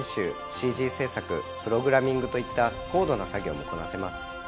ＣＧ制作プログラミングといった高度な作業もこなせます。